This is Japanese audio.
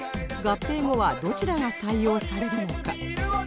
合併後はどちらが採用されるのか？